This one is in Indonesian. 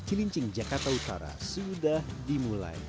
cilincing jakarta utara sudah dimulai